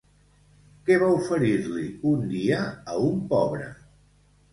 Què va oferir-li un dia a un pobre?